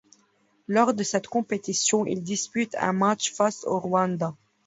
Lors de cette compétition, il dispute un match face au Rwanda.